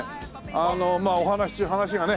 あのお話し中話がね